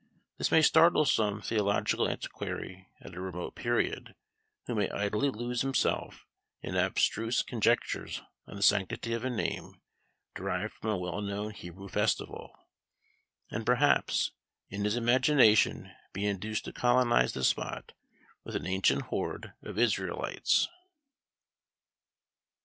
This may startle some theological antiquary at a remote period, who may idly lose himself in abstruse conjectures on the sanctity of a name, derived from a well known Hebrew festival; and, perhaps, in his imagination be induced to colonise the spot with an ancient horde of Israelites!